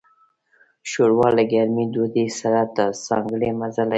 ښوروا له ګرمې ډوډۍ سره ځانګړی مزه لري.